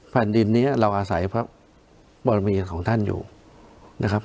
แผ่นดินนี้เราอาศัยพระบรมีของท่านอยู่นะครับ